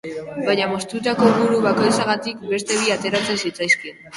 Baina moztutako buru bakoitzagatik, beste bi ateratzen zitzaizkion.